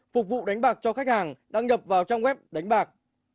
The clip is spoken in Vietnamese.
phục vụ đánh bạc cho khách hàng đăng nhập vào trang web đánh bạc